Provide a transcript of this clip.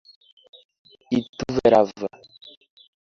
Ituverava